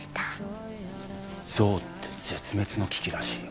象って絶滅の危機らしいよ。